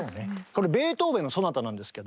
これベートーベンの「ソナタ」なんですが。